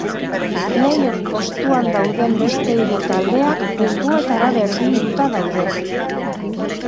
Play-off postuan dauden beste hiru taldeak puntuetara berdinduta daude.